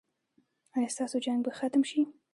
ایا ستاسو جنګ به ختم شي؟